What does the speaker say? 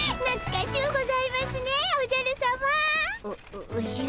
おおじゃ。